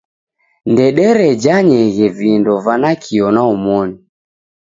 Ndederejanyeghe vindo va nakio na omoni.